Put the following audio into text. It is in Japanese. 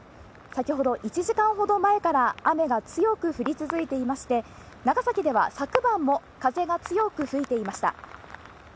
先ほど１時間ほど前から雨が強く降り続いていまして、長崎では昨晩も風が強く吹いていました。